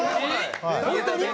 本当に？